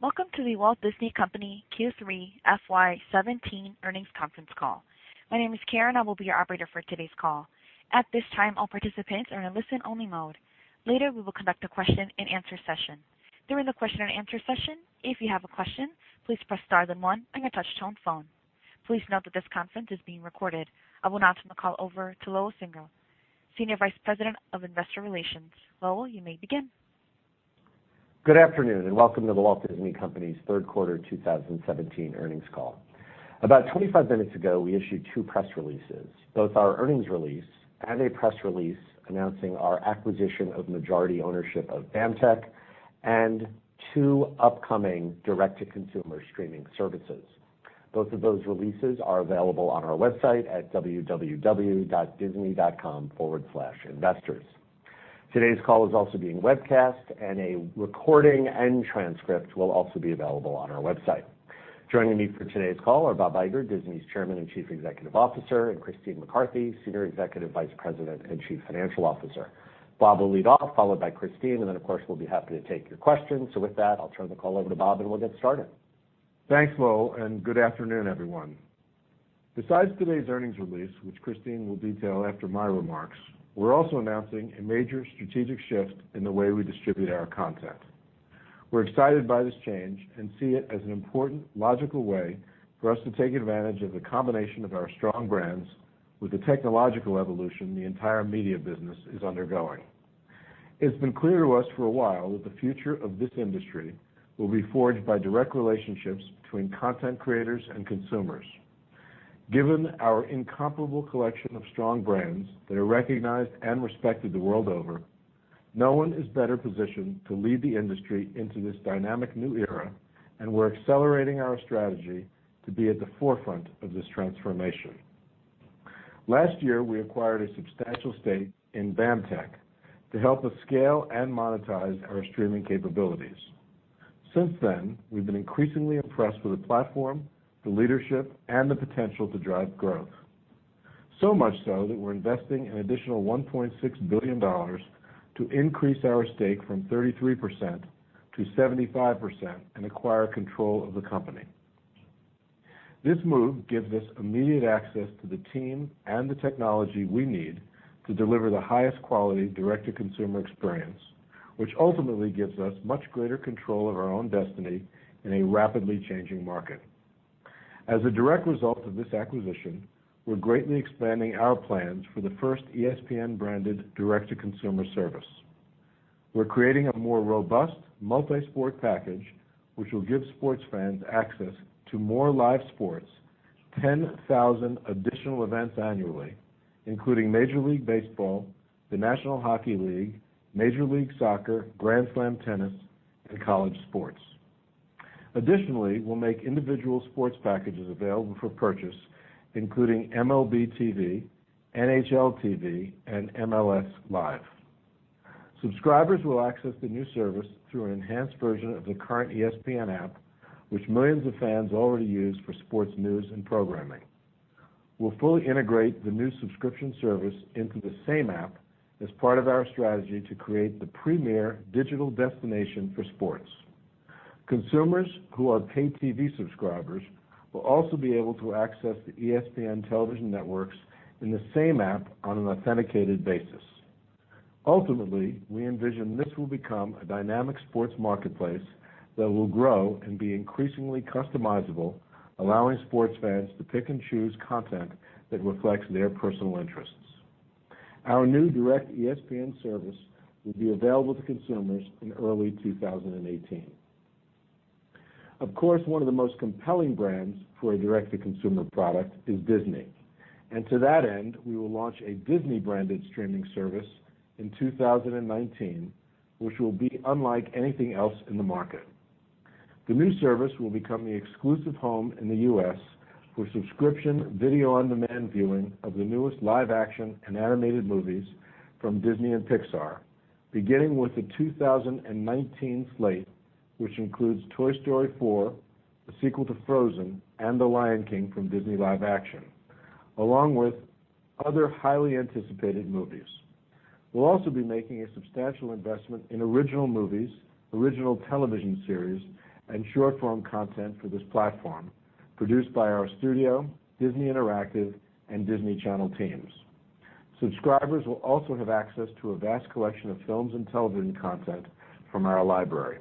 Welcome to The Walt Disney Company Q3 FY 2017 earnings conference call. My name is Karen. I will be your operator for today's call. At this time, all participants are in listen-only mode. Later, we will conduct a question and answer session. During the question and answer session, if you have a question, please press star then one on your touch tone phone. Please note that this conference is being recorded. I will now turn the call over to Lowell Singer, Senior Vice President of Investor Relations. Lowell, you may begin. Good afternoon, welcome to The Walt Disney Company's third quarter 2017 earnings call. About 25 minutes ago, we issued two press releases, both our earnings release and a press release announcing our acquisition of majority ownership of BAMTech, and two upcoming direct-to-consumer streaming services. Both of those releases are available on our website at www.disney.com/investors. Today's call is also being webcast, and a recording and transcript will also be available on our website. Joining me for today's call are Bob Iger, Disney's Chairman and Chief Executive Officer, and Christine McCarthy, Senior Executive Vice President and Chief Financial Officer. Bob will lead off, followed by Christine, and then of course, we'll be happy to take your questions. With that, I'll turn the call over to Bob, and we'll get started. Thanks, Lowell, good afternoon, everyone. Besides today's earnings release, which Christine will detail after my remarks, we're also announcing a major strategic shift in the way we distribute our content. We're excited by this change and see it as an important, logical way for us to take advantage of the combination of our strong brands with the technological evolution the entire media business is undergoing. It's been clear to us for a while that the future of this industry will be forged by direct relationships between content creators and consumers. Given our incomparable collection of strong brands that are recognized and respected the world over, no one is better positioned to lead the industry into this dynamic new era, and we're accelerating our strategy to be at the forefront of this transformation. Last year, we acquired a substantial stake in BAMTech to help us scale and monetize our streaming capabilities. Since then, we've been increasingly impressed with the platform, the leadership, and the potential to drive growth. Much so that we're investing an additional $1.6 billion to increase our stake from 33% to 75% and acquire control of the company. This move gives us immediate access to the team and the technology we need to deliver the highest quality direct-to-consumer experience, which ultimately gives us much greater control of our own destiny in a rapidly changing market. As a direct result of this acquisition, we're greatly expanding our plans for the first ESPN-branded direct-to-consumer service. We're creating a more robust multi-sport package, which will give sports fans access to more live sports, 10,000 additional events annually, including Major League Baseball, the National Hockey League, Major League Soccer, Grand Slam tennis, and college sports. Additionally, we'll make individual sports packages available for purchase, including MLB.tv, NHL.TV, and MLS Live. Subscribers will access the new service through an enhanced version of the current ESPN app, which millions of fans already use for sports news and programming. We'll fully integrate the new subscription service into the same app as part of our strategy to create the premier digital destination for sports. Consumers who are pay TV subscribers will also be able to access the ESPN television networks in the same app on an authenticated basis. We envision this will become a dynamic sports marketplace that will grow and be increasingly customizable, allowing sports fans to pick and choose content that reflects their personal interests. Our new direct ESPN service will be available to consumers in early 2018. Of course, one of the most compelling brands for a direct-to-consumer product is Disney. To that end, we will launch a Disney-branded streaming service in 2019, which will be unlike anything else in the market. The new service will become the exclusive home in the U.S. for subscription video on-demand viewing of the newest live-action and animated movies from Disney and Pixar, beginning with the 2019 slate, which includes Toy Story 4, the sequel to Frozen, and The Lion King from Disney Live Action, along with other highly anticipated movies. We'll also be making a substantial investment in original movies, original television series, and short-form content for this platform produced by our studio, Disney Interactive, and Disney Channel teams. Subscribers will also have access to a vast collection of films and television content from our library.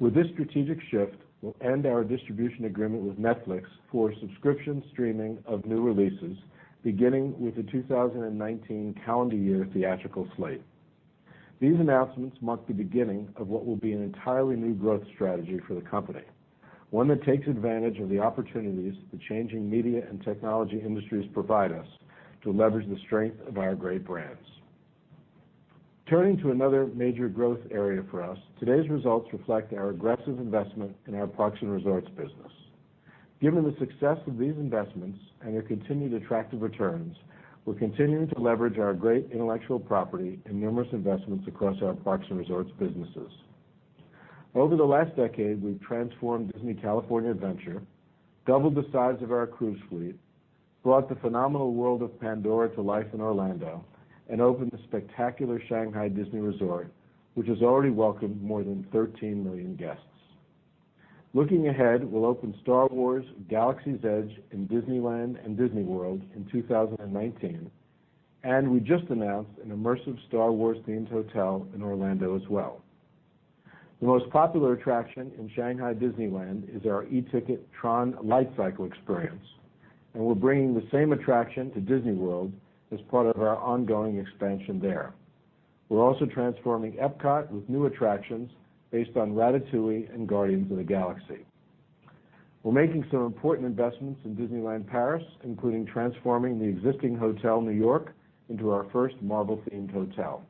With this strategic shift, we'll end our distribution agreement with Netflix for subscription streaming of new releases beginning with the 2019 calendar year theatrical slate. These announcements mark the beginning of what will be an entirely new growth strategy for the company, one that takes advantage of the opportunities the changing media and technology industries provide us to leverage the strength of our great brands. Turning to another major growth area for us, today's results reflect our aggressive investment in our parks and resorts business. Given the success of these investments and their continued attractive returns, we're continuing to leverage our great intellectual property and numerous investments across our parks and resorts businesses. Over the last decade, we've transformed Disney California Adventure, doubled the size of our cruise fleet. Brought the phenomenal world of Pandora to life in Orlando and opened the spectacular Shanghai Disney Resort, which has already welcomed more than 13 million guests. Looking ahead, we'll open Star Wars: Galaxy's Edge in Disneyland and Disney World in 2019, and we just announced an immersive Star Wars-themed hotel in Orlando as well. The most popular attraction in Shanghai Disneyland is our e-ticket TRON Lightcycle experience, and we're bringing the same attraction to Disney World as part of our ongoing expansion there. We're also transforming Epcot with new attractions based on Ratatouille and Guardians of the Galaxy. We're making some important investments in Disneyland Paris, including transforming the existing Hotel New York into our first Marvel-themed hotel.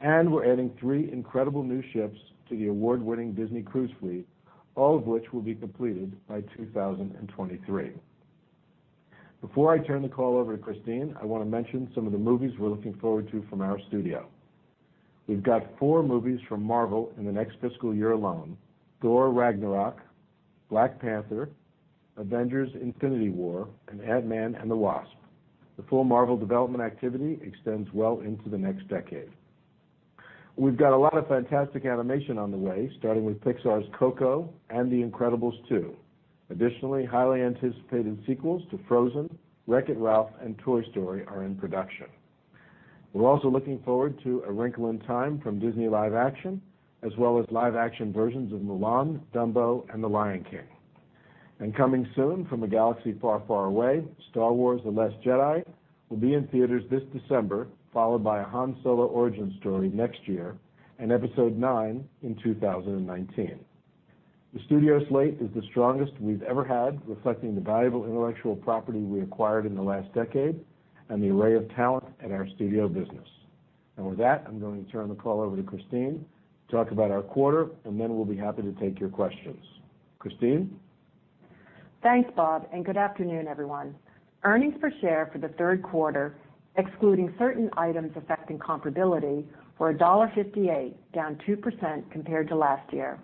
We're adding 3 incredible new ships to the award-winning Disney Cruise fleet, all of which will be completed by 2023. Before I turn the call over to Christine, I want to mention some of the movies we're looking forward to from our studio. We've got 4 movies from Marvel in the next fiscal year alone, Thor: Ragnarok, Black Panther, Avengers: Infinity War, and Ant-Man and the Wasp. The full Marvel development activity extends well into the next decade. We've got a lot of fantastic animation on the way, starting with Pixar's Coco and Incredibles 2. Additionally, highly anticipated sequels to Frozen, Wreck-It Ralph, and Toy Story are in production. We're also looking forward to A Wrinkle in Time from Disney Live Action, as well as live-action versions of Mulan, Dumbo, and The Lion King. Coming soon from a galaxy far, far away, Star Wars: The Last Jedi will be in theaters this December, followed by a Han Solo origin story next year and Episode IX in 2019. The studio slate is the strongest we've ever had, reflecting the valuable intellectual property we acquired in the last decade and the array of talent at our studio business. With that, I'm going to turn the call over to Christine to talk about our quarter, then we'll be happy to take your questions. Christine? Thanks, Bob, good afternoon, everyone. Earnings per share for Q3, excluding certain items affecting comparability, were $1.58, down 2% compared to last year.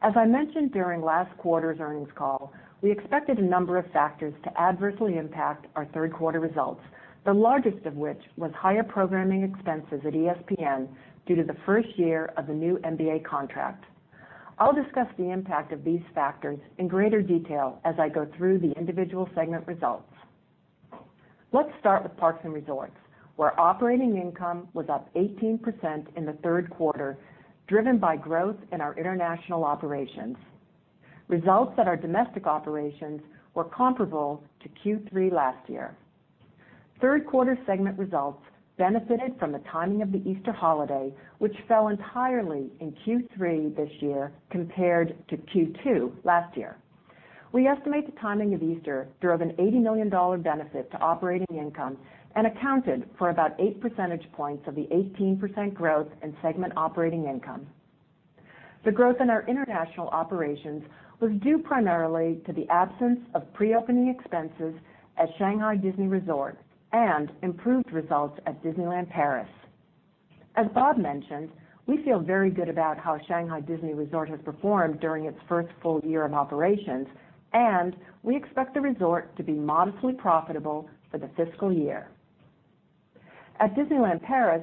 As I mentioned during last quarter's earnings call, we expected a number of factors to adversely impact our Q3 results, the largest of which was higher programming expenses at ESPN due to the first year of the new NBA contract. I'll discuss the impact of these factors in greater detail as I go through the individual segment results. Let's start with parks and resorts, where operating income was up 18% in Q3, driven by growth in our international operations. Results at our domestic operations were comparable to Q3 last year. Q3 segment results benefited from the timing of the Easter holiday, which fell entirely in Q3 this year compared to Q2 last year. We estimate the timing of Easter drove an $80 million benefit to operating income and accounted for about 8 percentage points of the 18% growth in segment operating income. The growth in our international operations was due primarily to the absence of pre-opening expenses at Shanghai Disney Resort and improved results at Disneyland Paris. As Bob mentioned, we feel very good about how Shanghai Disney Resort has performed during its first full year of operations, and we expect the resort to be modestly profitable for the fiscal year. At Disneyland Paris,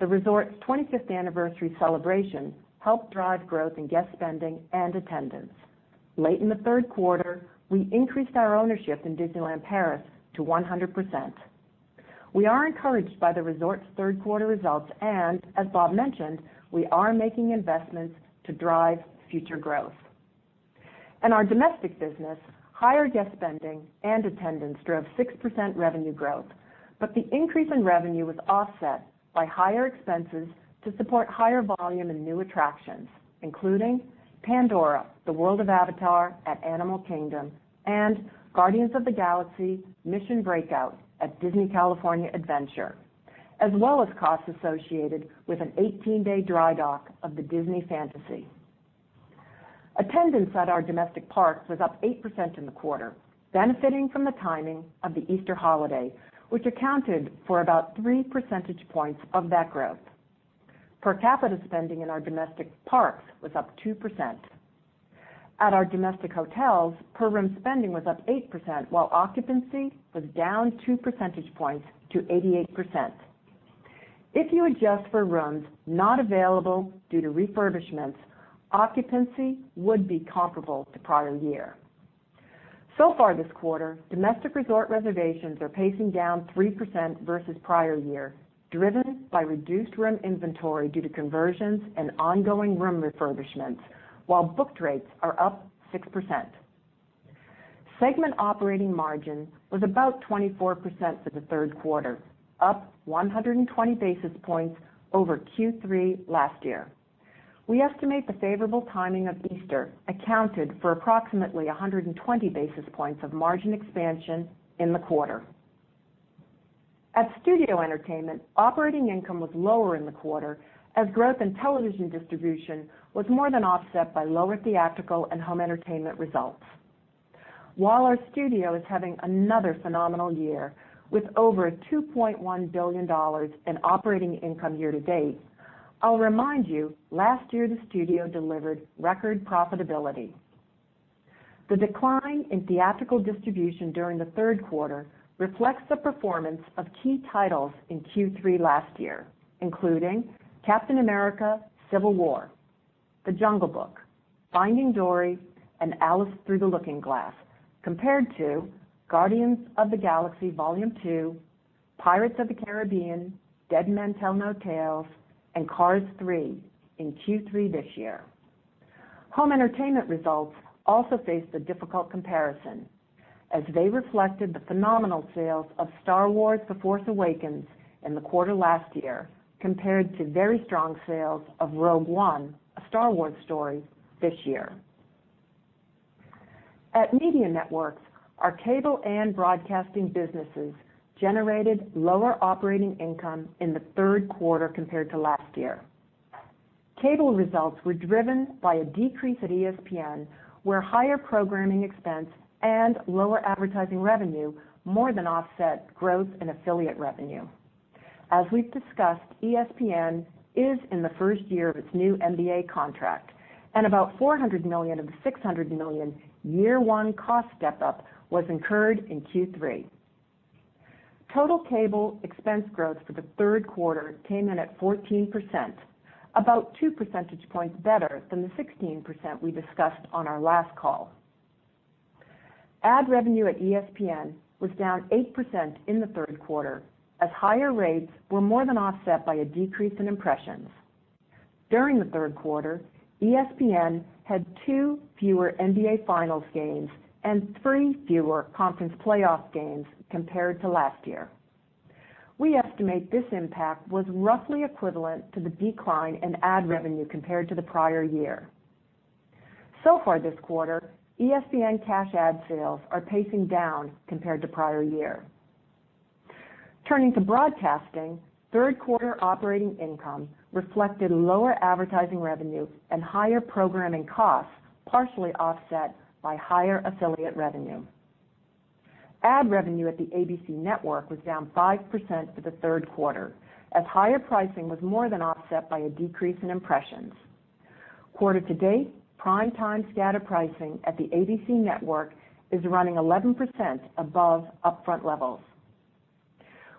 the resort's 25th anniversary celebration helped drive growth in guest spending and attendance. Late in Q3, we increased our ownership in Disneyland Paris to 100%. We are encouraged by the resort's Q3 results, as Bob mentioned, we are making investments to drive future growth. In our domestic business, higher guest spending and attendance drove 6% revenue growth. The increase in revenue was offset by higher expenses to support higher volume and new attractions, including Pandora – The World of Avatar at Animal Kingdom and Guardians of the Galaxy – Mission: Breakout! at Disney California Adventure, as well as costs associated with an 18-day dry dock of the Disney Fantasy. Attendance at our domestic parks was up 8% in the quarter, benefiting from the timing of the Easter holiday, which accounted for about three percentage points of that growth. Per capita spending in our domestic parks was up 2%. At our domestic hotels, per-room spending was up 8%, while occupancy was down two percentage points to 88%. If you adjust for rooms not available due to refurbishments, occupancy would be comparable to prior year. Far this quarter, domestic resort reservations are pacing down 3% versus the prior year, driven by reduced room inventory due to conversions and ongoing room refurbishments, while booked rates are up 6%. Segment operating margin was about 24% for the third quarter, up 120 basis points over Q3 last year. We estimate the favorable timing of Easter accounted for approximately 120 basis points of margin expansion in the quarter. At Studio Entertainment, operating income was lower in the quarter as growth in television distribution was more than offset by lower theatrical and home entertainment results. While our studio is having another phenomenal year, with over $2.1 billion in operating income year to date. I'll remind you, last year the studio delivered record profitability. The decline in theatrical distribution during the third quarter reflects the performance of key titles in Q3 last year, including Captain America: Civil War, The Jungle Book, Finding Dory, and Alice Through the Looking Glass, compared to Guardians of the Galaxy Vol. 2, Pirates of the Caribbean: Dead Men Tell No Tales, and Cars 3 in Q3 this year. Home entertainment results also faced a difficult comparison as they reflected the phenomenal sales of Star Wars: The Force Awakens in the quarter last year, compared to very strong sales of Rogue One: A Star Wars Story this year. At Media Networks, our cable and broadcasting businesses generated lower operating income in the third quarter compared to last year. Cable results were driven by a decrease at ESPN, where higher programming expense and lower advertising revenue more than offset growth in affiliate revenue. As we've discussed, ESPN is in the first year of its new NBA contract, and about $400 million of the $600 million year one cost step-up was incurred in Q3. Total cable expense growth for the third quarter came in at 14%, about two percentage points better than the 16% we discussed on our last call. Ad revenue at ESPN was down 8% in the third quarter as higher rates were more than offset by a decrease in impressions. During the third quarter, ESPN had two fewer NBA Finals games and three fewer conference playoff games compared to last year. We estimate this impact was roughly equivalent to the decline in ad revenue compared to the prior year. Far this quarter, ESPN cash ad sales are pacing down compared to prior year. Turning to broadcasting, third quarter operating income reflected lower advertising revenue and higher programming costs, partially offset by higher affiliate revenue. Ad revenue at the ABC Network was down 5% for the third quarter as higher pricing was more than offset by a decrease in impressions. Quarter to date, prime time scatter pricing at the ABC Network is running 11% above upfront levels.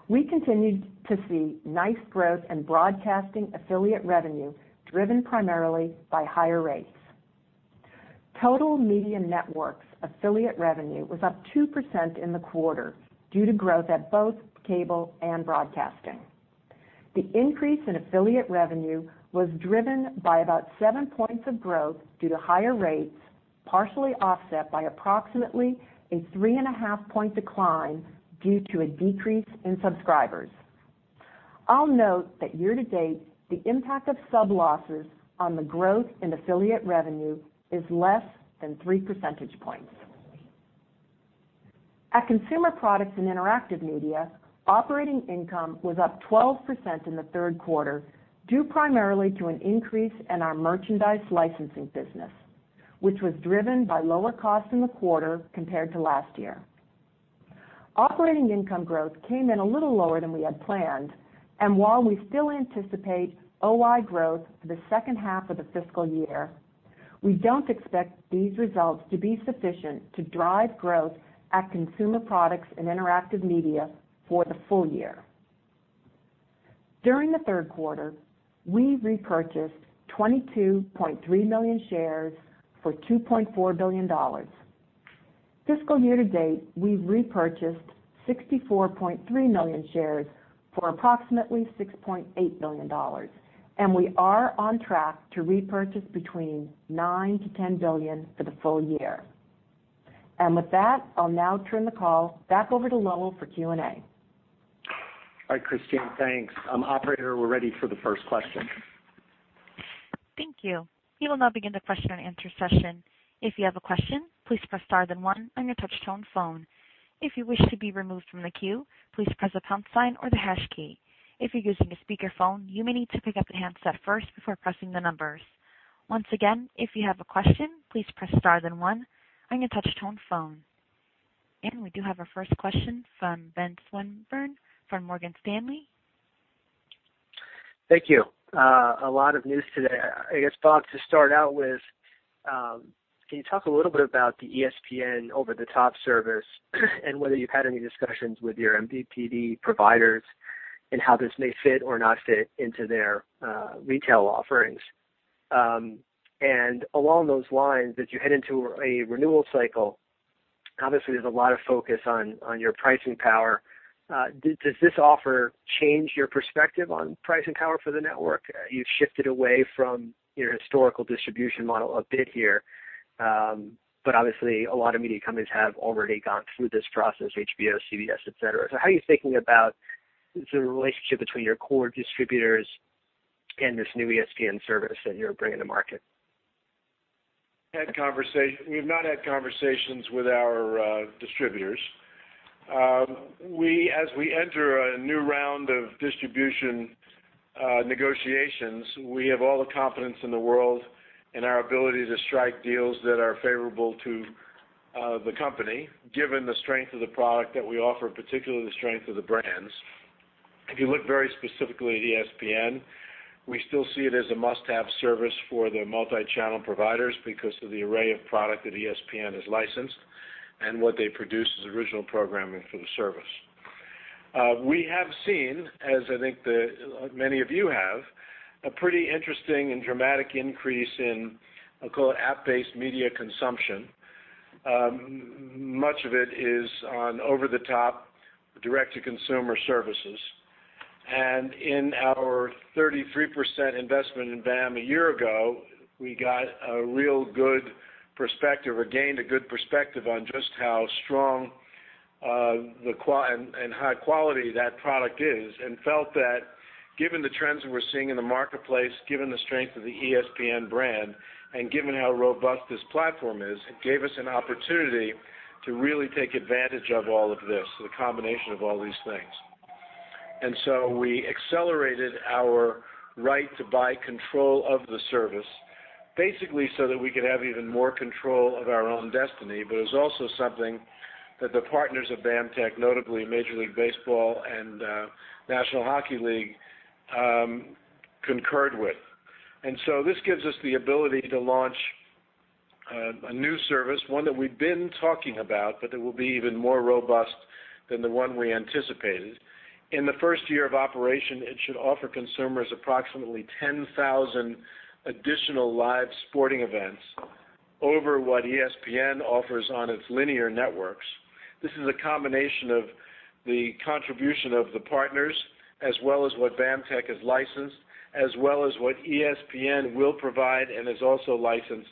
We continued to see nice growth in broadcasting affiliate revenue driven primarily by higher rates. Total Media Networks affiliate revenue was up 2% in the quarter due to growth at both cable and broadcasting. The increase in affiliate revenue was driven by about seven points of growth due to higher rates, partially offset by approximately a three and a half point decline due to a decrease in subscribers. I'll note that year-to-date, the impact of sub losses on the growth in affiliate revenue is less than three percentage points. At Consumer Products and Interactive Media, operating income was up 12% in the third quarter, due primarily to an increase in our merchandise licensing business, which was driven by lower costs in the quarter compared to last year. Operating income growth came in a little lower than we had planned, and while we still anticipate OI growth for the second half of the fiscal year, we don't expect these results to be sufficient to drive growth at Consumer Products and Interactive Media for the full year. During the third quarter, we repurchased 22.3 million shares for $2.4 billion. Fiscal year-to-date, we've repurchased 64.3 million shares for approximately $6.8 billion, and we are on track to repurchase between $9 billion-$10 billion for the full year. With that, I'll now turn the call back over to Lowell for Q&A. All right, Christine, thanks. Operator, we're ready for the first question. Thank you. We will now begin the question and answer session. If you have a question, please press star then one on your touch tone phone. If you wish to be removed from the queue, please press the pound sign or the hash key. If you're using a speakerphone, you may need to pick up the handset first before pressing the numbers. Once again, if you have a question, please press star then one on your touch tone phone. We do have our first question from Ben Swinburne from Morgan Stanley. Thank you. A lot of news today. I guess, Bob, to start out with, can you talk a little bit about the ESPN over-the-top service and whether you've had any discussions with your MVPD providers and how this may fit or not fit into their retail offerings? Along those lines, as you head into a renewal cycle, obviously, there's a lot of focus on your pricing power. Does this offer change your perspective on pricing power for the network? You've shifted away from your historical distribution model a bit here. Obviously, a lot of media companies have already gone through this process, HBO, CBS, et cetera. How are you thinking about the relationship between your core distributors and this new ESPN service that you're bringing to market? We've not had conversations with our distributors. As we enter a new round of distribution negotiations, we have all the confidence in the world in our ability to strike deals that are favorable to Of the company, given the strength of the product that we offer, particularly the strength of the brands. If you look very specifically at ESPN, we still see it as a must-have service for the multi-channel providers because of the array of product that ESPN has licensed and what they produce as original programming for the service. We have seen, as I think many of you have, a pretty interesting and dramatic increase in, I'll call it app-based media consumption. Much of it is on over-the-top direct-to-consumer services. In our 33% investment in BAM a year ago, we got a real good perspective, or gained a good perspective on just how strong and high quality that product is, and felt that given the trends that we're seeing in the marketplace, given the strength of the ESPN brand, and given how robust this platform is, it gave us an opportunity to really take advantage of all of this, the combination of all these things. We accelerated our right to buy control of the service, basically so that we could have even more control of our own destiny. It was also something that the partners of BAMTech, notably Major League Baseball and National Hockey League, concurred with. This gives us the ability to launch a new service, one that we've been talking about, but it will be even more robust than the one we anticipated. In the first year of operation, it should offer consumers approximately 10,000 additional live sporting events over what ESPN offers on its linear networks. This is a combination of the contribution of the partners as well as what BAMTech has licensed, as well as what ESPN will provide and has also licensed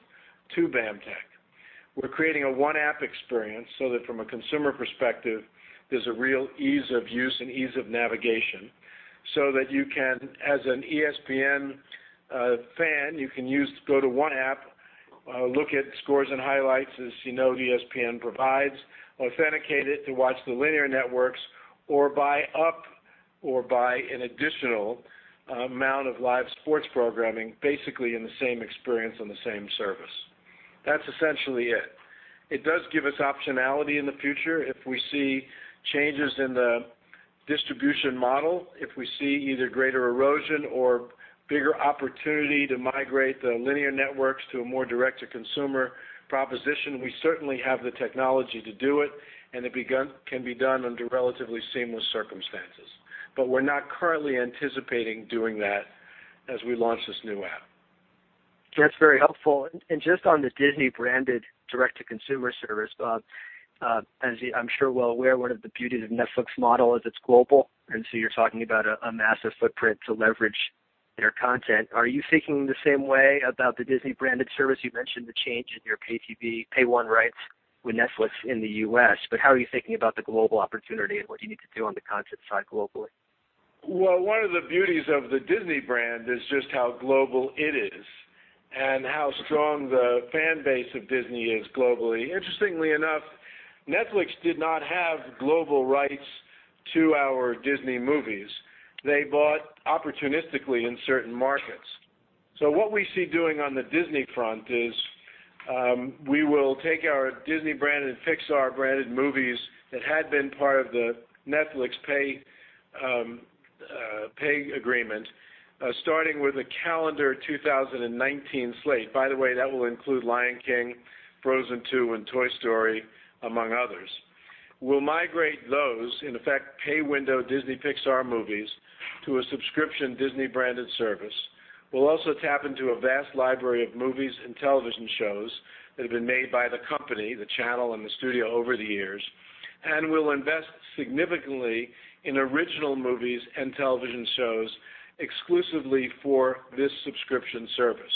to BAMTech. We're creating a one-app experience so that from a consumer perspective, there's a real ease of use and ease of navigation, so that you can, as an ESPN fan, you can go to one app, look at scores and highlights as you know ESPN provides, authenticate it to watch the linear networks, or buy up or buy an additional amount of live sports programming, basically in the same experience on the same service. That's essentially it. It does give us optionality in the future if we see changes in the distribution model. If we see either greater erosion or bigger opportunity to migrate the linear networks to a more direct-to-consumer proposition, we certainly have the technology to do it, and it can be done under relatively seamless circumstances. We're not currently anticipating doing that as we launch this new app. That's very helpful. Just on the Disney branded direct-to-consumer service, Bob, as I'm sure well aware, one of the beauties of Netflix model is it's global, so you're talking about a massive footprint to leverage their content. Are you thinking the same way about the Disney branded service? You mentioned the change in your pay TV pay one rights with Netflix in the U.S., how are you thinking about the global opportunity and what you need to do on the content side globally? One of the beauties of the Disney brand is just how global it is and how strong the fan base of Disney is globally. Interestingly enough, Netflix did not have global rights to our Disney movies. They bought opportunistically in certain markets. What we see doing on the Disney front is we will take our Disney branded and Pixar branded movies that had been part of the Netflix pay agreement, starting with the calendar 2019 slate. By the way, that will include Lion King, Frozen 2, and Toy Story, among others. We'll migrate those, in effect, pay window Disney Pixar movies to a subscription Disney branded service. We'll also tap into a vast library of movies and television shows that have been made by the company, the channel, and the studio over the years. We'll invest significantly in original movies and television shows exclusively for this subscription service.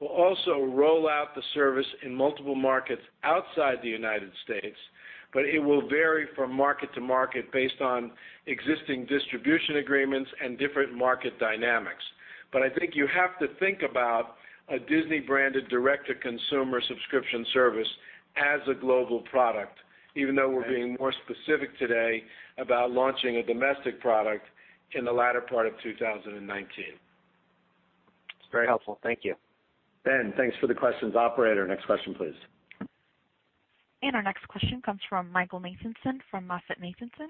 We'll also roll out the service in multiple markets outside the U.S., but it will vary from market to market based on existing distribution agreements and different market dynamics. I think you have to think about a Disney branded direct-to-consumer subscription service as a global product, even though we're being more specific today about launching a domestic product in the latter part of 2019. It's very helpful. Thank you. Ben, thanks for the questions. Operator, next question, please. Our next question comes from Michael Nathanson from MoffettNathanson.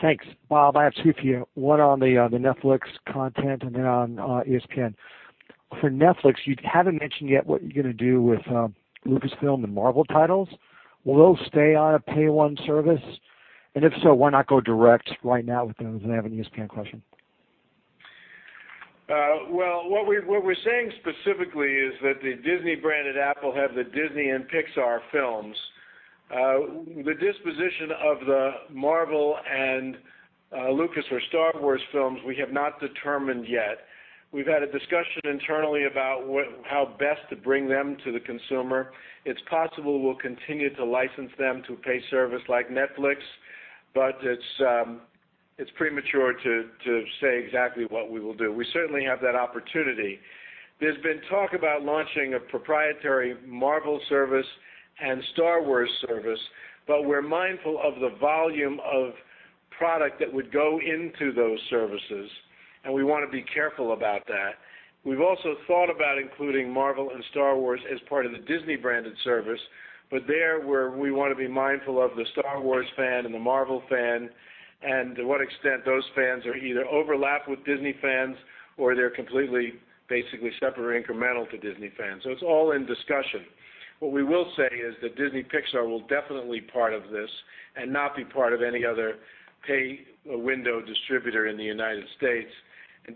Thanks. Bob, I have two for you, one on the Netflix content and then on ESPN. For Netflix, you haven't mentioned yet what you're going to do with Lucasfilm and Marvel titles. Will those stay on a pay one service? If so, why not go direct right now with them? Then I have an ESPN question. Well, what we're saying specifically is that the Disney branded app will have the Disney and Pixar films. The disposition of the Marvel and Lucas or Star Wars films we have not determined yet. We've had a discussion internally about how best to bring them to the consumer. It's possible we'll continue to license them to a pay service like Netflix, but it's premature to say exactly what we will do. We certainly have that opportunity. There's been talk about launching a proprietary Marvel service and Star Wars service, but we're mindful of the volume of product that would go into those services. We want to be careful about that. We've also thought about including Marvel and Star Wars as part of the Disney branded service, but there, we want to be mindful of the Star Wars fan and the Marvel fan, and to what extent those fans either overlap with Disney fans, or they're completely basically separate or incremental to Disney fans. It's all in discussion. What we will say is that Disney Pixar will definitely be part of this and not be part of any other pay window distributor in the United States.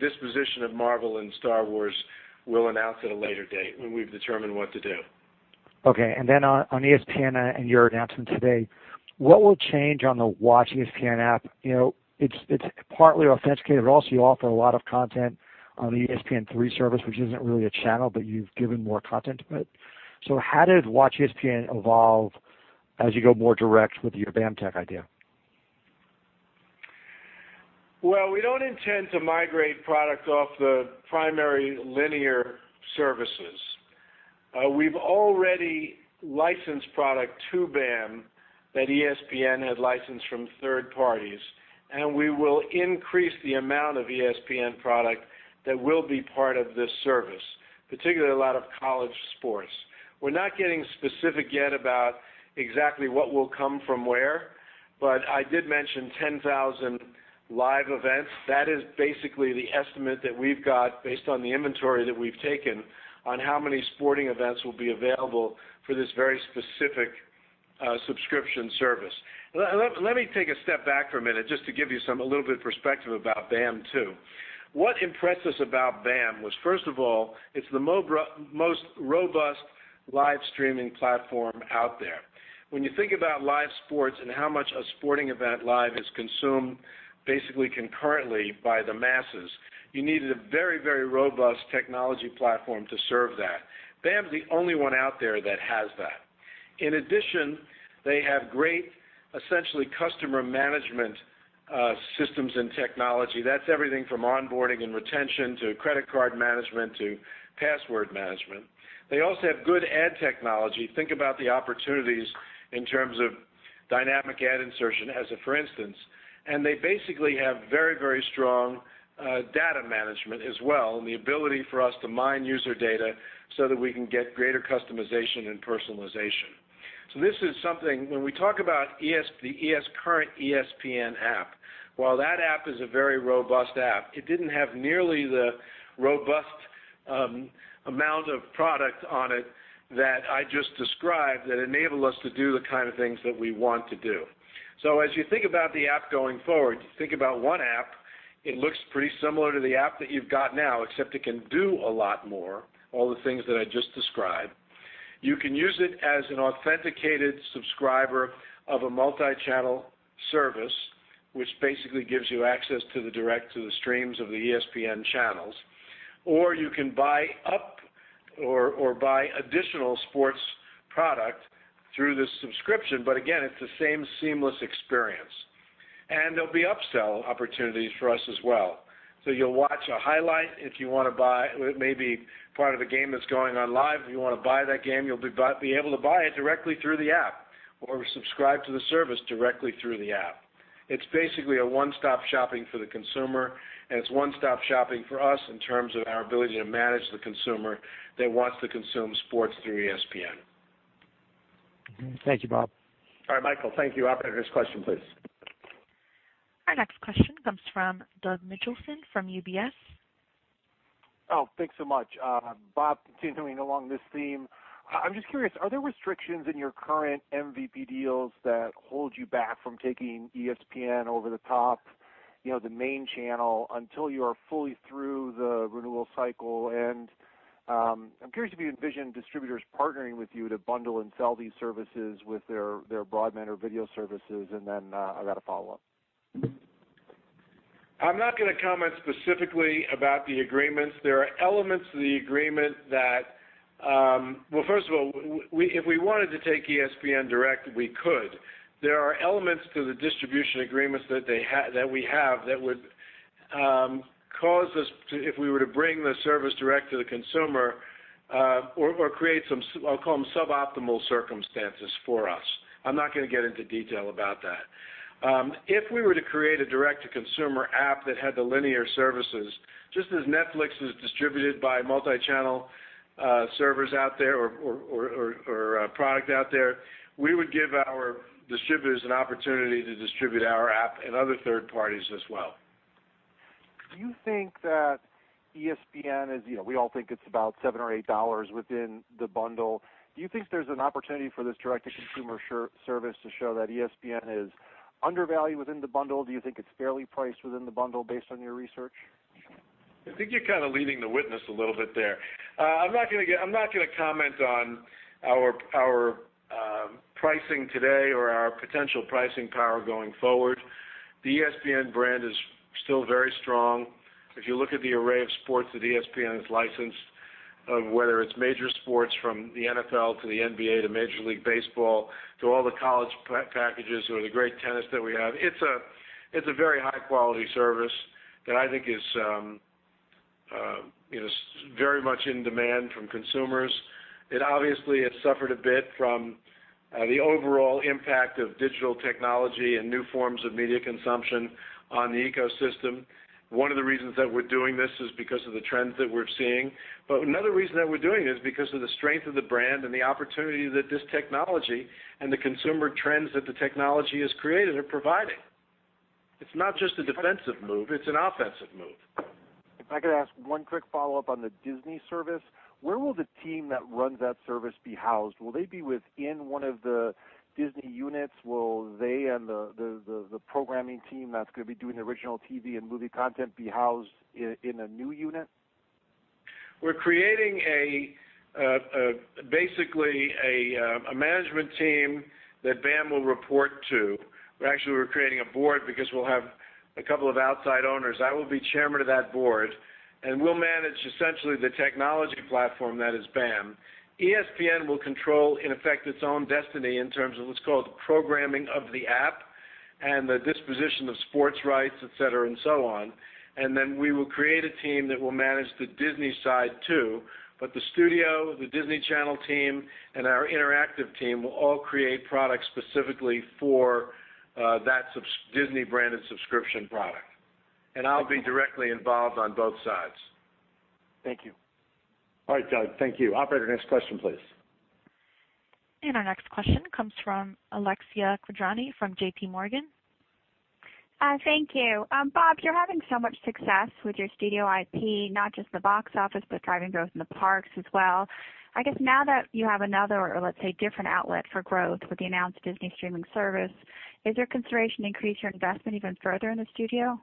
Disposition of Marvel and Star Wars we'll announce at a later date when we've determined what to do. Okay, on ESPN and your announcement today, what will change on the WatchESPN app? It's partly authenticated, but also you offer a lot of content on the ESPN3 service, which isn't really a channel, but you've given more content to it. How did WatchESPN evolve as you go more direct with your BAMTech idea? Well, we don't intend to migrate product off the primary linear services. We've already licensed product to BAM that ESPN had licensed from third parties, and we will increase the amount of ESPN product that will be part of this service, particularly a lot of college sports. We're not getting specific yet about exactly what will come from where, but I did mention 10,000 live events. That is basically the estimate that we've got based on the inventory that we've taken on how many sporting events will be available for this very specific subscription service. Let me take a step back for a minute just to give you a little bit of perspective about BAM, too. What impressed us about BAM was, first of all, it's the most robust live streaming platform out there. When you think about live sports and how much a sporting event live is consumed, basically concurrently by the masses, you needed a very robust technology platform to serve that. BAM's the only one out there that has that. In addition, they have great, essentially customer management systems and technology. That's everything from onboarding and retention to credit card management to password management. They also have good ad technology. Think about the opportunities in terms of dynamic ad insertion as a for instance, and they basically have very strong data management as well, and the ability for us to mine user data so that we can get greater customization and personalization. This is something when we talk about the current ESPN app, while that app is a very robust app, it didn't have nearly the robust amount of product on it that I just described that enabled us to do the kind of things that we want to do. As you think about the app going forward, think about one app. It looks pretty similar to the app that you've got now, except it can do a lot more, all the things that I just described. You can use it as an authenticated subscriber of a multi-channel service, which basically gives you access to the direct to the streams of the ESPN channels. You can buy up or buy additional sports product through this subscription. Again, it's the same seamless experience. There'll be upsell opportunities for us as well. You'll watch a highlight if you want to buy maybe part of a game that's going on live. If you want to buy that game, you'll be able to buy it directly through the app or subscribe to the service directly through the app. It's basically a one-stop shopping for the consumer, and it's one-stop shopping for us in terms of our ability to manage the consumer that wants to consume sports through ESPN. Thank you, Bob. All right, Michael, thank you. Operator, next question, please. Our next question comes from Doug Mitchelson from UBS. Oh, thanks so much. Bob, continuing along this theme, I'm just curious, are there restrictions in your current MVPD deals that hold you back from taking ESPN over the top, the main channel, until you are fully through the renewal cycle? I'm curious if you envision distributors partnering with you to bundle and sell these services with their broadband or video services, I've got a follow-up. I'm not going to comment specifically about the agreements. There are elements to the agreement that, first of all, if we wanted to take ESPN direct, we could. There are elements to the distribution agreements that we have that would cause us to, if we were to bring the service direct to the consumer, or create some, I'll call them suboptimal circumstances for us. I'm not going to get into detail about that. If we were to create a direct-to-consumer app that had the linear services, just as Netflix is distributed by multi-channel servers out there or a product out there, we would give our distributors an opportunity to distribute our app and other third parties as well. Do you think that ESPN is, we all think it's about seven or eight dollars within the bundle. Do you think there's an opportunity for this direct-to-consumer service to show that ESPN is undervalued within the bundle? Do you think it's fairly priced within the bundle based on your research? I think you're kind of leading the witness a little bit there. I'm not going to comment on our pricing today or our potential pricing power going forward. The ESPN brand is still very strong. If you look at the array of sports that ESPN has licensed, whether it's major sports from the NFL to the NBA to Major League Baseball to all the college packages or the great tennis that we have, it is very high-quality service that I think is very much in demand from consumers. It obviously has suffered a bit from the overall impact of digital technology and new forms of media consumption on the ecosystem. One of the reasons that we're doing this is because of the trends that we're seeing. Another reason that we're doing it is because of the strength of the brand and the opportunity that this technology and the consumer trends that the technology has created are providing. It's not just a defensive move, it's an offensive move. If I could ask one quick follow-up on the Disney service. Where will the team that runs that service be housed? Will they be within one of the Disney units? Will they and the programming team that's going to be doing the original TV and movie content be housed in a new unit? We're creating basically a management team that BAM will report to. We're creating a board because we'll have a couple of outside owners. I will be chairman of that board, and we'll manage essentially the technology platform that is BAM. ESPN will control, in effect, its own destiny in terms of let's call it the programming of the app and the disposition of sports rights, et cetera, and so on. Then we will create a team that will manage the Disney side, too. The studio, the Disney Channel team, and our interactive team will all create products specifically for that Disney-branded subscription product. I'll be directly involved on both sides. Thank you. All right, Doug, thank you. Operator, next question, please. Our next question comes from Alexia Quadrani from JP Morgan. Thank you. Bob, you're having so much success with your studio IP, not just the box office, but driving growth in the parks as well. I guess now that you have another, or let's say, different outlet for growth with the announced Disney streaming service, is there consideration to increase your investment even further in the studio?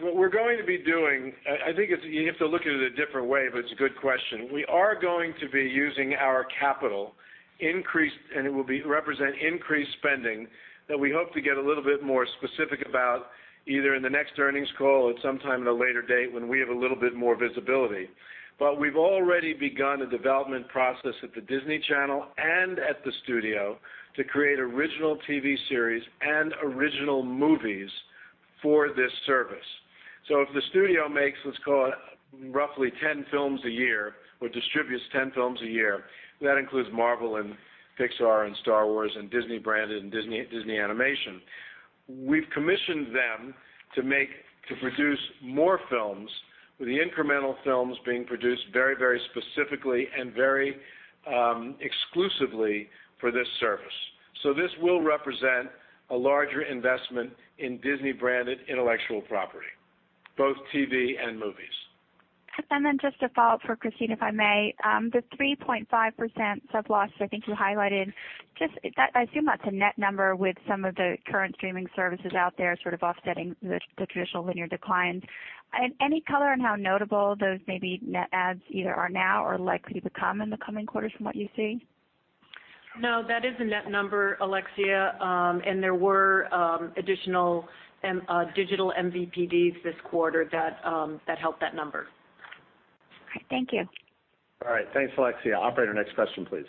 What we're going to be doing, I think you have to look at it a different way, but it's a good question. We are going to be using our capital increase, and it will represent increased spending that we hope to get a little bit more specific about, either in the next earnings call or sometime at a later date when we have a little bit more visibility. We've already begun a development process at the Disney Channel and at the studio to create original TV series and original movies for this service. If the studio makes, let's call it roughly 10 films a year or distributes 10 films a year, that includes Marvel and Pixar and Star Wars and Disney branded and Disney animation. We've commissioned them to produce more films, with the incremental films being produced very specifically and very exclusively for this service. This will represent a larger investment in Disney-branded intellectual property, both TV and movies. Just a follow-up for Christine, if I may. The 3.5% sub loss, I think you highlighted, I assume that's a net number with some of the current streaming services out there sort of offsetting the traditional linear declines. Any color on how notable those maybe net adds either are now or likely to come in the coming quarters from what you see? No, that is a net number, Alexia. There were additional digital MVPDs this quarter that helped that number. Great. Thank you. All right. Thanks, Alexia. Operator, next question, please.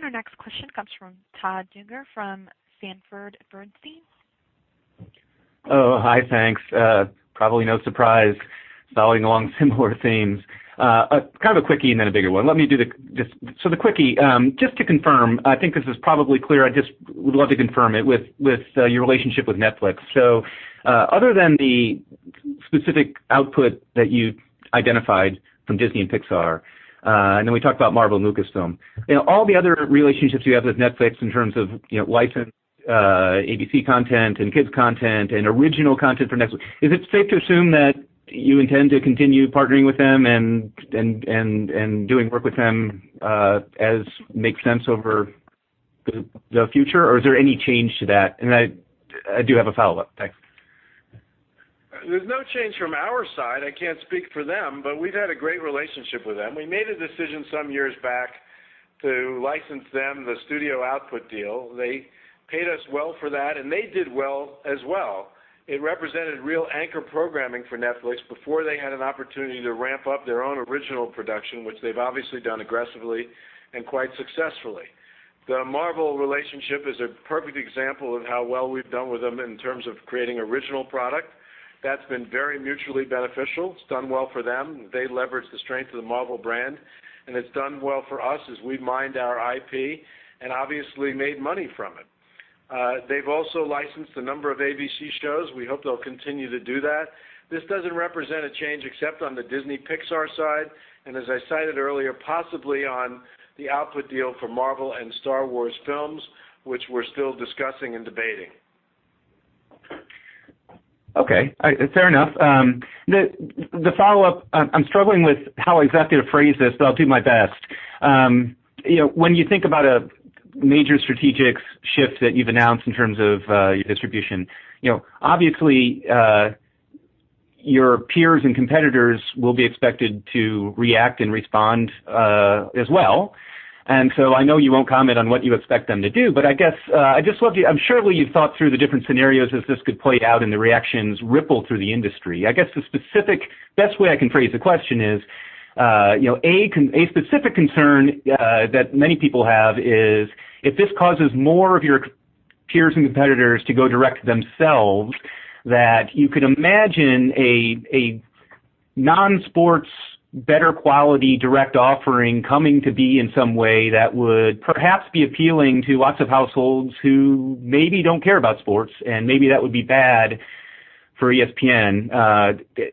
Our next question comes from Todd Juenger from Sanford C. Bernstein. Hi, thanks. Probably no surprise, following along similar themes. Kind of a quickie and then a bigger one. The quickie, just to confirm, I think this is probably clear, I just would love to confirm it with your relationship with Netflix. Other than the specific output that you identified from Disney and Pixar, then we talked about Marvel and Lucasfilm, all the other relationships you have with Netflix in terms of licensed ABC content and kids content and original content for Netflix, is it safe to assume that you intend to continue partnering with them and doing work with them as makes sense over the future? Or is there any change to that? I do have a follow-up. Thanks. There's no change from our side. I can't speak for them, but we've had a great relationship with them. We made a decision some years back to license them the studio output deal. They paid us well for that, and they did well as well. It represented real anchor programming for Netflix before they had an opportunity to ramp up their own original production, which they've obviously done aggressively and quite successfully. The Marvel relationship is a perfect example of how well we've done with them in terms of creating original product. That's been very mutually beneficial. It's done well for them. They leverage the strength of the Marvel brand, and it's done well for us as we mined our IP and obviously made money from it. They've also licensed a number of ABC shows. We hope they'll continue to do that. This doesn't represent a change except on the Disney Pixar side, and as I cited earlier, possibly on the output deal for Marvel and Star Wars films, which we're still discussing and debating. Okay. Fair enough. The follow-up, I'm struggling with how exactly to phrase this, but I'll do my best. When you think about a major strategic shift that you've announced in terms of your distribution, obviously your peers and competitors will be expected to react and respond as well. I know you won't comment on what you expect them to do, but I'm sure you've thought through the different scenarios as this could play out and the reactions ripple through the industry. I guess the specific best way I can phrase the question is, a specific concern that many people have is if this causes more of your peers and competitors to go direct themselves that you could imagine a non-sports, better quality direct offering coming to be in some way that would perhaps be appealing to lots of households who maybe don't care about sports and maybe that would be bad for ESPN. Have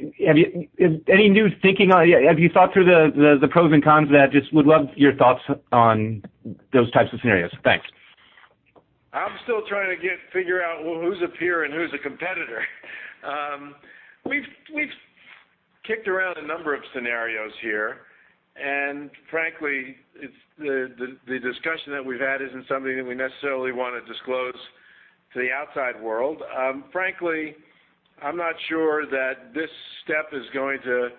you thought through the pros and cons of that? Just would love your thoughts on those types of scenarios. Thanks. I'm still trying to figure out who's a peer and who's a competitor. We've kicked around a number of scenarios here, and frankly, the discussion that we've had isn't something that we necessarily want to disclose to the outside world. Frankly, I'm not sure that this step is going to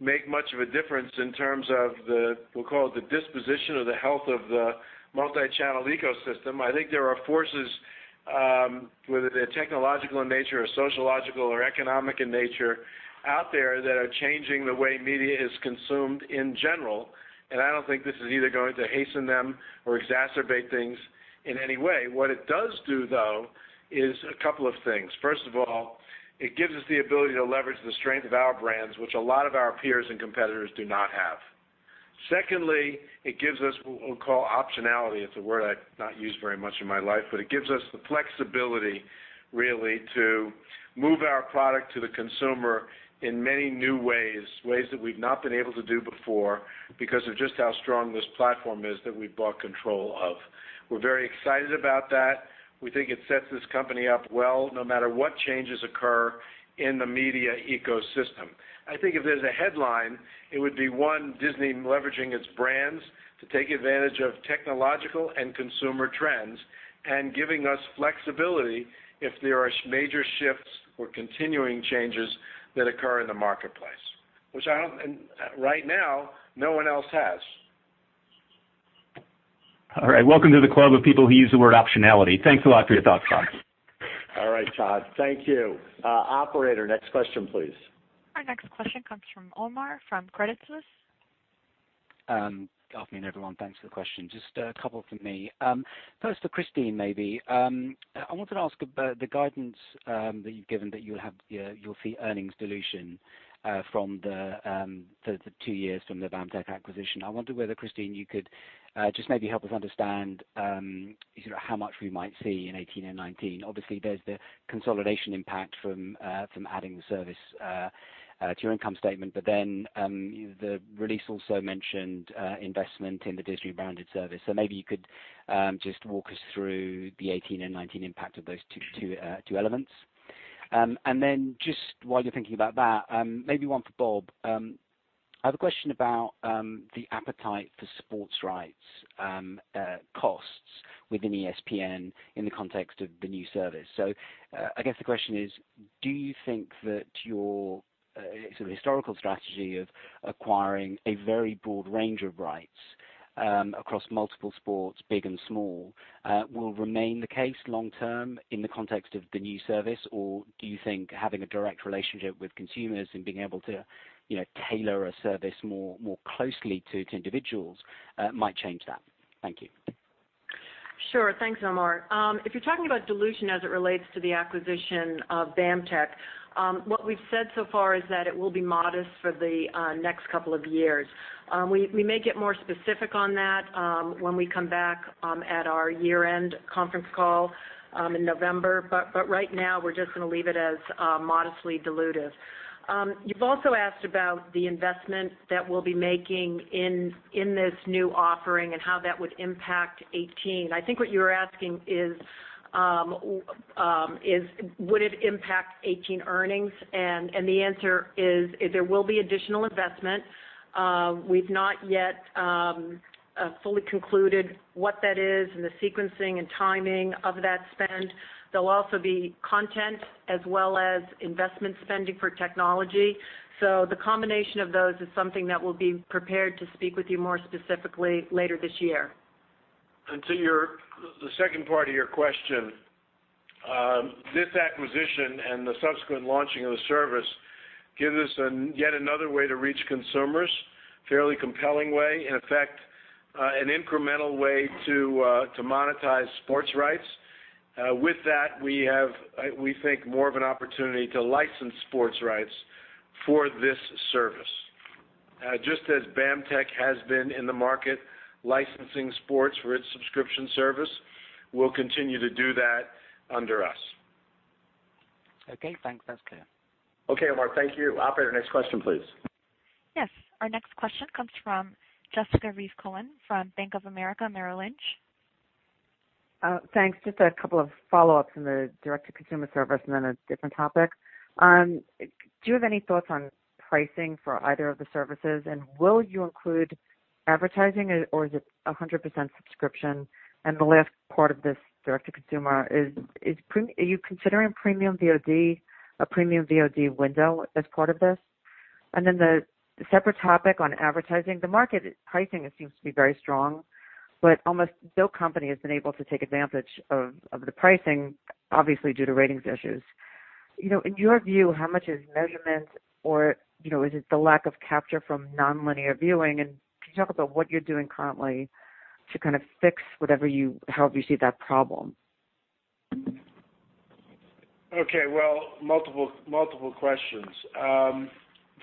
make much of a difference in terms of the, we'll call it the disposition or the health of the multi-channel ecosystem. I think there are forces, whether they're technological in nature or sociological or economic in nature out there that are changing the way media is consumed in general, and I don't think this is either going to hasten them or exacerbate things in any way. What it does do, though, is a couple of things. First of all, it gives us the ability to leverage the strength of our brands, which a lot of our peers and competitors do not have. Secondly, it gives us what we'll call optionality. It's a word I've not used very much in my life, but it gives us the flexibility really to move our product to the consumer in many new ways that we've not been able to do before because of just how strong this platform is that we've bought control of. We're very excited about that. We think it sets this company up well no matter what changes occur in the media ecosystem. I think if there's a headline, it would be, one, Disney leveraging its brands to take advantage of technological and consumer trends and giving us flexibility if there are major shifts or continuing changes that occur in the marketplace, which right now, no one else has. All right. Welcome to the club of people who use the word optionality. Thanks a lot for your thoughts, Bob. All right, Todd. Thank you. Operator, next question, please. Our next question comes from Omar from Credit Suisse. Good afternoon, everyone. Thanks for the question. Just a couple from me. First, for Christine, maybe. I wanted to ask about the guidance that you've given that you'll see earnings dilution for the two years from the BAMTech acquisition. I wonder whether, Christine, you could just maybe help us understand how much we might see in 2018 and 2019. Obviously, there's the consolidation impact from adding the service to your income statement. The release also mentioned investment in the Disney-branded service. Maybe you could just walk us through the 2018 and 2019 impact of those two elements. Just while you're thinking about that, maybe one for Bob. I have a question about the appetite for sports rights costs within ESPN in the context of the new service. I guess the question is, do you think that your sort of historical strategy of acquiring a very broad range of rights across multiple sports, big and small, will remain the case long term in the context of the new service? Or do you think having a direct relationship with consumers and being able to tailor a service more closely to individuals might change that? Thank you. Sure. Thanks, Omar. If you're talking about dilution as it relates to the acquisition of BAMTech, what we've said so far is that it will be modest for the next couple of years. We may get more specific on that when we come back at our year-end conference call in November. Right now, we're just going to leave it as modestly dilutive. You've also asked about the investment that we'll be making in this new offering and how that would impact 2018. I think what you're asking is would it impact 2018 earnings, and the answer is there will be additional investment. We've not yet fully concluded what that is and the sequencing and timing of that spend. There'll also be content as well as investment spending for technology. The combination of those is something that we'll be prepared to speak with you more specifically later this year. To the second part of your question, this acquisition and the subsequent launching of the service gives us yet another way to reach consumers, fairly compelling way, in effect, an incremental way to monetize sports rights. With that, we have, we think, more of an opportunity to license sports rights for this service. Just as BAMTech has been in the market licensing sports for its subscription service will continue to do that under us. Okay, thanks. That's clear. Okay, Omar. Thank you. Operator, next question, please. Yes. Our next question comes from Jessica Reif Cohen from Bank of America Merrill Lynch. Thanks. Just a couple of follow-ups in the direct-to-consumer service and then a different topic. Do you have any thoughts on pricing for either of the services, and will you include advertising or is it 100% subscription? The last part of this direct to consumer is, are you considering a premium VOD window as part of this? The separate topic on advertising. The market pricing seems to be very strong, but almost no company has been able to take advantage of the pricing, obviously due to ratings issues. In your view, how much is measurement or is it the lack of capture from nonlinear viewing? Can you talk about what you're doing currently to kind of fix however you see that problem? Okay. Well, multiple questions.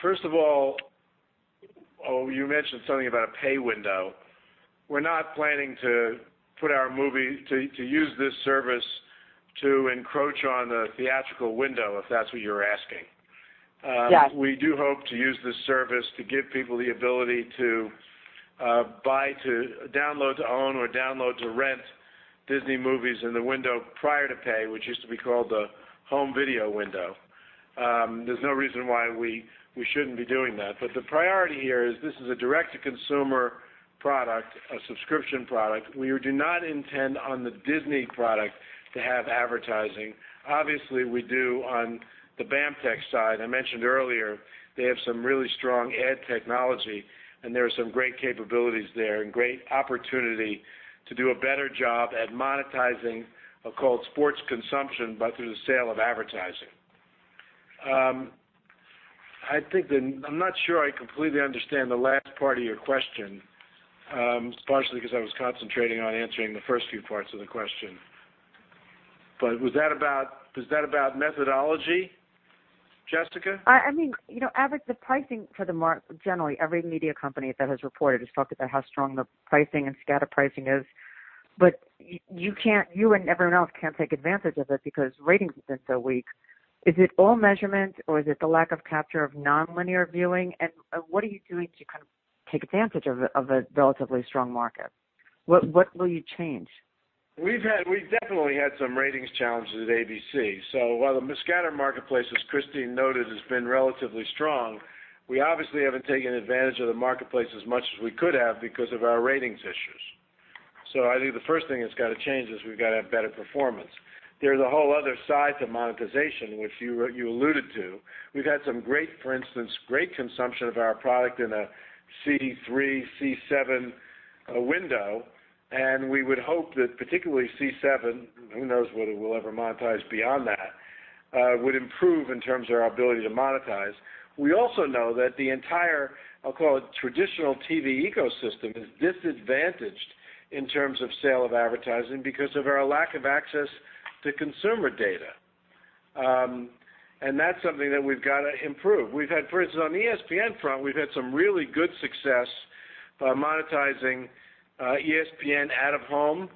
First of all, you mentioned something about a pay window. We're not planning to use this service to encroach on the theatrical window, if that's what you're asking. Yes. We do hope to use this service to give people the ability to buy, to download, to own or download to rent Disney movies in the window prior to pay, which used to be called the home video window. There's no reason why we shouldn't be doing that. The priority here is this is a direct-to-consumer product, a subscription product. We do not intend on the Disney product to have advertising. Obviously, we do on the BAMTech side. I mentioned earlier they have some really strong ad technology, and there are some great capabilities there and great opportunity to do a better job at monetizing a called sports consumption, but through the sale of advertising. I'm not sure I completely understand the last part of your question, partially because I was concentrating on answering the first few parts of the question, but was that about methodology, Jessica? I mean, average the pricing for the market. Generally, every media company that has reported has talked about how strong the pricing and scatter pricing is. You and everyone else can't take advantage of it because ratings have been so weak. Is it all measurement, or is it the lack of capture of nonlinear viewing? What are you doing to kind of take advantage of a relatively strong market? What will you change? We've definitely had some ratings challenges at ABC. While the scatter marketplace, as Christine noted, has been relatively strong, we obviously haven't taken advantage of the marketplace as much as we could have because of our ratings issues. I think the first thing that's got to change is we've got to have better performance. There's a whole other side to monetization, which you alluded to. We've had some, for instance, great consumption of our product in a C3, C7 window, and we would hope that particularly C7, who knows whether we'll ever monetize beyond that, would improve in terms of our ability to monetize. We also know that the entire, I'll call it traditional TV ecosystem, is disadvantaged in terms of sale of advertising because of our lack of access to consumer data. That's something that we've got to improve. For instance, on the ESPN front, we've had some really good success monetizing ESPN out of home,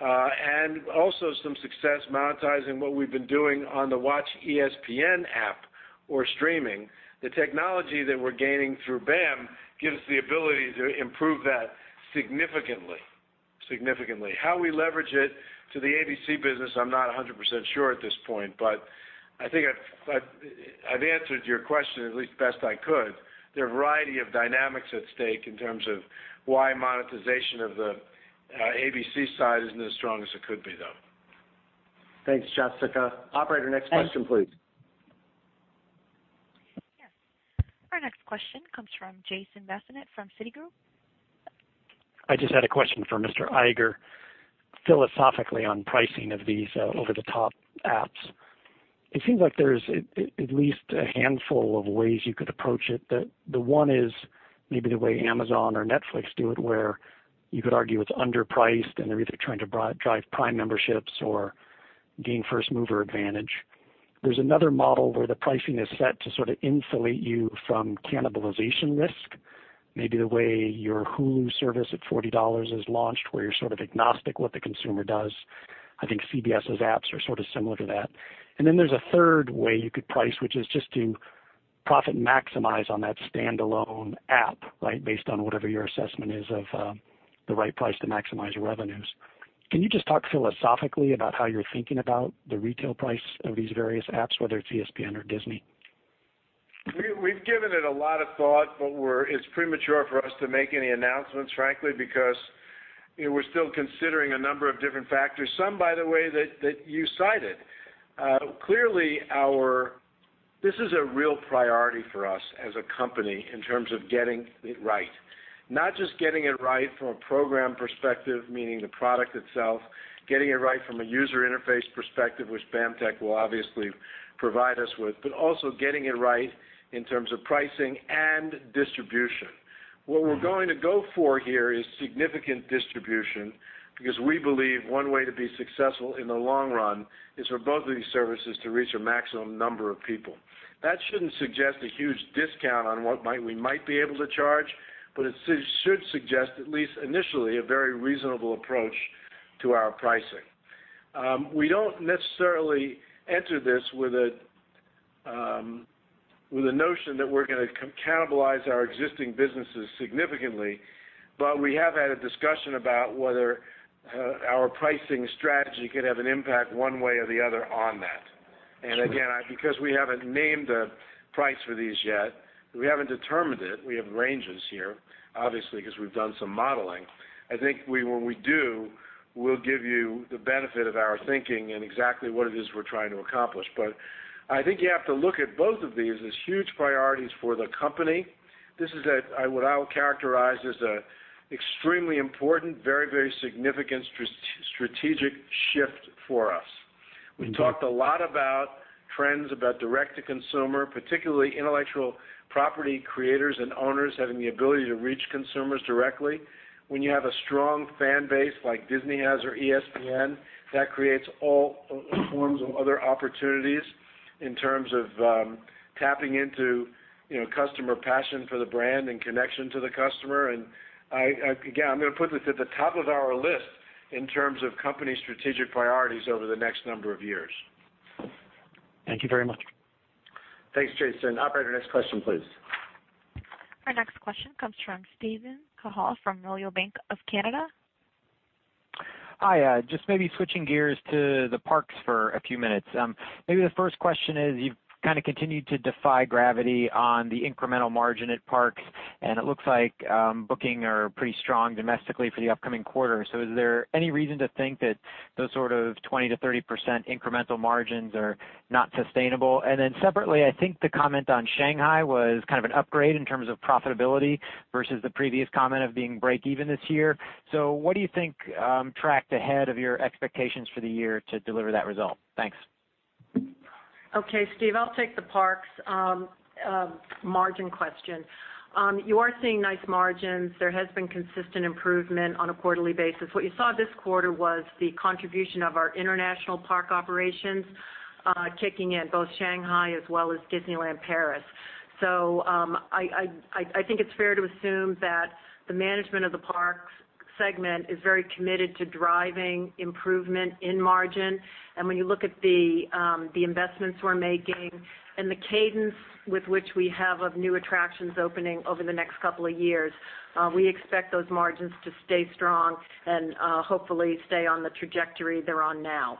and also some success monetizing what we've been doing on the WatchESPN app or streaming. The technology that we're gaining through BAM gives the ability to improve that significantly. How we leverage it to the ABC business, I'm not 100% sure at this point, but I think I've answered your question at least best I could. There are a variety of dynamics at stake in terms of why monetization of the ABC side isn't as strong as it could be, though. Thanks, Jessica. Operator, next question, please. Yes. Our next question comes from Jason Bazinet from Citigroup. I just had a question for Mr. Iger philosophically on pricing of these over-the-top apps. It seems like there's at least a handful of ways you could approach it, that the one is maybe the way Amazon or Netflix do it, where you could argue it's underpriced and they're either trying to drive Prime memberships or gain first-mover advantage. There's another model where the pricing is set to sort of insulate you from cannibalization risk. Maybe the way your Hulu service at $40 is launched, where you're sort of agnostic what the consumer does. I think CBS's apps are sort of similar to that. There's a third way you could price, which is just to profit maximize on that standalone app, based on whatever your assessment is of the right price to maximize your revenues. Can you just talk philosophically about how you're thinking about the retail price of these various apps, whether it's ESPN or Disney? We've given it a lot of thought, but it's premature for us to make any announcements, frankly, because we're still considering a number of different factors, some, by the way, that you cited. Clearly, this is a real priority for us as a company in terms of getting it right, not just getting it right from a program perspective, meaning the product itself, getting it right from a user interface perspective, which BAMTech will obviously provide us with, but also getting it right in terms of pricing and distribution. We're going to go for here is significant distribution because we believe one way to be successful in the long run is for both of these services to reach a maximum number of people. That shouldn't suggest a huge discount on what we might be able to charge, but it should suggest, at least initially, a very reasonable approach to our pricing. We don't necessarily enter this with a notion that we're going to cannibalize our existing businesses significantly, but we have had a discussion about whether our pricing strategy could have an impact one way or the other on that. Again, because we haven't named a price for these yet, we haven't determined it. We have ranges here, obviously, because we've done some modeling. I think when we do, we'll give you the benefit of our thinking and exactly what it is we're trying to accomplish. I think you have to look at both of these as huge priorities for the company. This is what I would characterize as an extremely important, very significant strategic shift for us. We talked a lot about trends, about direct-to-consumer, particularly intellectual property creators and owners having the ability to reach consumers directly. When you have a strong fan base like Disney has or ESPN, that creates all forms of other opportunities in terms of tapping into customer passion for the brand and connection to the customer. Again, I'm going to put this at the top of our list in terms of company strategic priorities over the next number of years. Thank you very much. Thanks, Jason. Operator, next question, please. Our next question comes from Steven Cahall from Royal Bank of Canada. Hi. Just maybe switching gears to the parks for a few minutes. Maybe the first question is, you've continued to defy gravity on the incremental margin at parks, and it looks like booking are pretty strong domestically for the upcoming quarter. Is there any reason to think that those sort of 20%-30% incremental margins are not sustainable? Separately, I think the comment on Shanghai was an upgrade in terms of profitability versus the previous comment of being break-even this year. What do you think tracked ahead of your expectations for the year to deliver that result? Thanks. Okay, Steve, I'll take the parks margin question. You are seeing nice margins. There has been consistent improvement on a quarterly basis. What you saw this quarter was the contribution of our international park operations kicking in both Shanghai as well as Disneyland Paris. I think it's fair to assume that the management of the parks segment is very committed to driving improvement in margin. When you look at the investments we're making and the cadence with which we have of new attractions opening over the next couple of years, we expect those margins to stay strong and hopefully stay on the trajectory they're on now.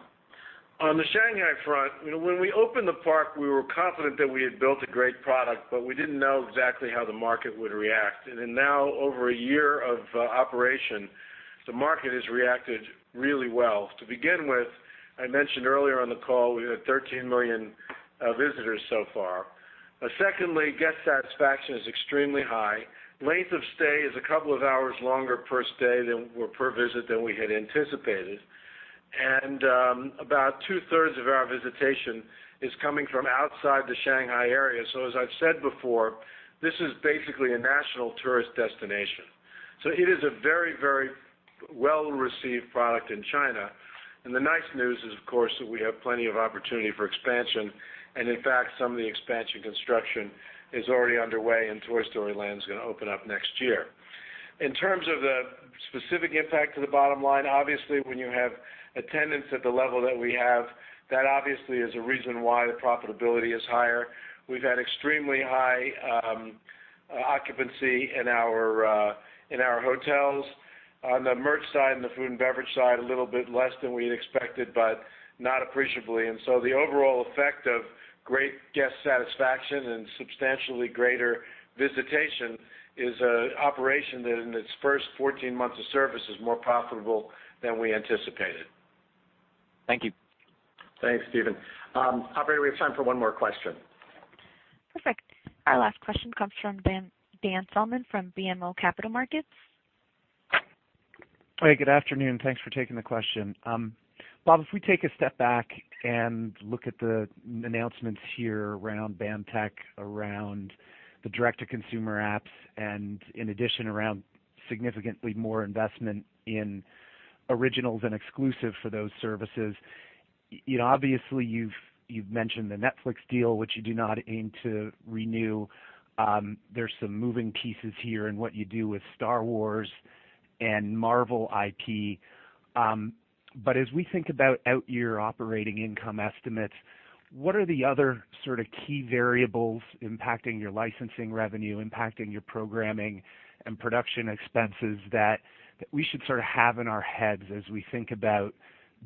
On the Shanghai front, when we opened the park, we were confident that we had built a great product, but we didn't know exactly how the market would react. Now over a year of operation, the market has reacted really well. To begin with, I mentioned earlier on the call, we had 13 million visitors so far. Secondly, guest satisfaction is extremely high. Length of stay is a couple of hours longer per visit than we had anticipated. About two-thirds of our visitation is coming from outside the Shanghai area. As I've said before, this is basically a national tourist destination. It is a very, very well-received product in China. The nice news is, of course, that we have plenty of opportunity for expansion. In fact, some of the expansion construction is already underway and Toy Story Land is going to open up next year. In terms of the specific impact to the bottom line, obviously, when you have attendance at the level that we have, that obviously is a reason why the profitability is higher. We've had extremely high occupancy in our hotels. On the merch side and the food and beverage side, a little bit less than we expected, but not appreciably. The overall effect of great guest satisfaction and substantially greater visitation is an operation that in its first 14 months of service is more profitable than we anticipated. Thank you. Thanks, Steven. Operator, we have time for one more question. Perfect. Our last question comes from Dan Salmon from BMO Capital Markets. Hey, good afternoon. Thanks for taking the question. Bob, if we take a step back and look at the announcements here around BAMTech, around the direct-to-consumer apps, and in addition, around significantly more investment in originals and exclusives for those services, obviously you've mentioned the Netflix deal, which you do not aim to renew. There's some moving pieces here in what you do with Star Wars and Marvel IP. As we think about out-year operating income estimates, what are the other key variables impacting your licensing revenue, impacting your programming and production expenses that we should have in our heads as we think about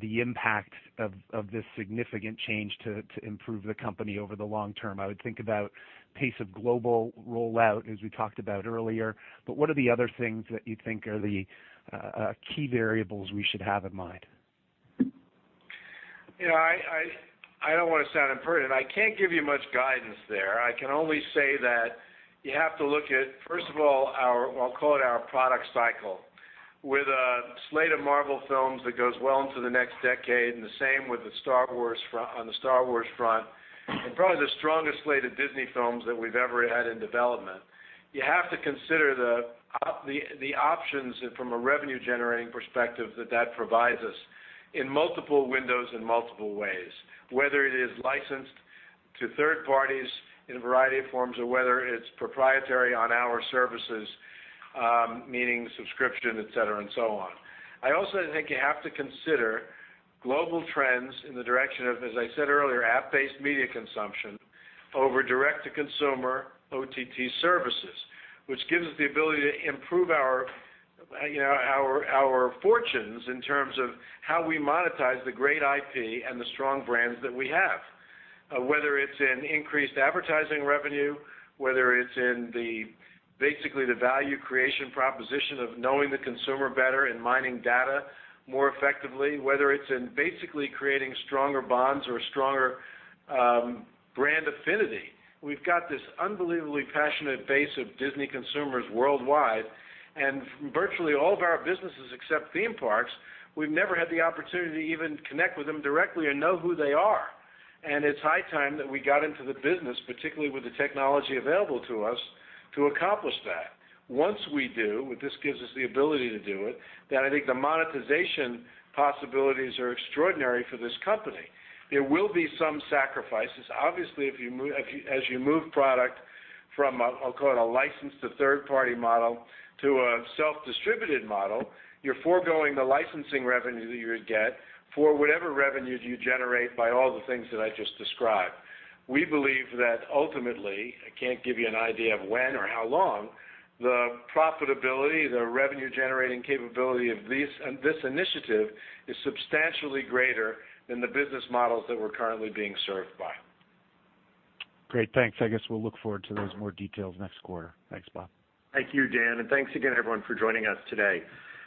the impact of this significant change to improve the company over the long term? I would think about pace of global rollout as we talked about earlier, but what are the other things that you think are the key variables we should have in mind? I don't want to sound imperative. I can't give you much guidance there. I can only say that you have to look at, first of all, I'll call it our product cycle. With a slate of Marvel films that goes well into the next decade, and the same on the Star Wars front, and probably the strongest slate of Disney films that we've ever had in development. You have to consider the options from a revenue-generating perspective that that provides us in multiple windows in multiple ways, whether it is licensed to third parties in a variety of forms or whether it's proprietary on our services, meaning subscription, et cetera, and so on. I also think you have to consider global trends in the direction of, as I said earlier, app-based media consumption over direct-to-consumer OTT services, which gives us the ability to improve our fortunes in terms of how we monetize the great IP and the strong brands that we have. Whether it's in increased advertising revenue, whether it's in basically the value creation proposition of knowing the consumer better and mining data more effectively, whether it's in basically creating stronger bonds or stronger brand affinity. We've got this unbelievably passionate base of Disney consumers worldwide, and virtually all of our businesses except theme parks, we've never had the opportunity to even connect with them directly or know who they are. It's high time that we got into the business, particularly with the technology available to us to accomplish that. Once we do, this gives us the ability to do it, then I think the monetization possibilities are extraordinary for this company. There will be some sacrifices. Obviously, as you move product from, I'll call it a licensed to third-party model to a self-distributed model, you're foregoing the licensing revenue that you would get for whatever revenues you generate by all the things that I just described. We believe that ultimately, I can't give you an idea of when or how long, the profitability, the revenue-generating capability of this initiative is substantially greater than the business models that we're currently being served by. Great. Thanks. I guess we'll look forward to those more details next quarter. Thanks, Bob. Thank you, Dan, and thanks again, everyone, for joining us today.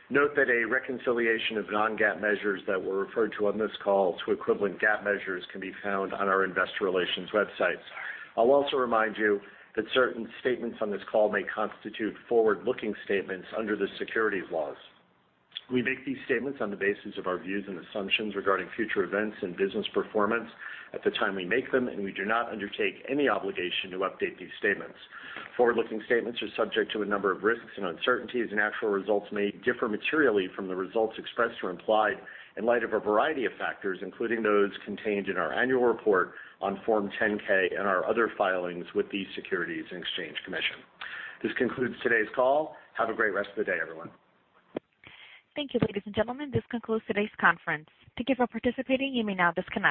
Note that a reconciliation of non-GAAP measures that were referred to on this call to equivalent GAAP measures can be found on our investor relations websites. I'll also remind you that certain statements on this call may constitute forward-looking statements under the securities laws. We make these statements on the basis of our views and assumptions regarding future events and business performance at the time we make them, and we do not undertake any obligation to update these statements. Forward-looking statements are subject to a number of risks and uncertainties, and actual results may differ materially from the results expressed or implied in light of a variety of factors, including those contained in our annual report on Form 10-K and our other filings with the Securities and Exchange Commission. This concludes today's call. Have a great rest of the day, everyone. Thank you, ladies and gentlemen. This concludes today's conference. Thank you for participating. You may now disconnect.